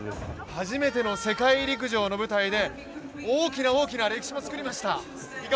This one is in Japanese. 初めての世界陸上の舞台で、大きな大きな歴史を作りました。